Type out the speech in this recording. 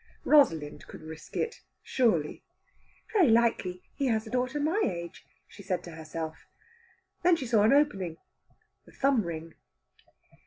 Rosalind could risk it, surely. "Very likely he has a daughter my age," said she to herself. Then she saw an opening the thumb ring.